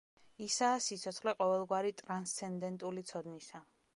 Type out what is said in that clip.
ისაა სიცოცხლე ყოველგვარი ტრანსცენდენტული ცოდნისა.